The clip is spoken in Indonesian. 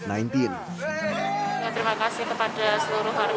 terima kasih kepada seluruh warga tunggang ri